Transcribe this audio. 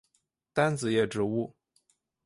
单子叶植物。